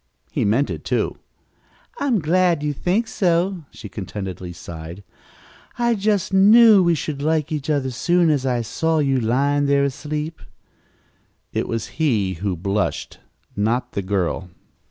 He meant it, too. "I'm so glad you think so," she contentedly sighed. "I just knew we should like each other as soon as I saw you lying there asleep." It was he who blushed, not the girl.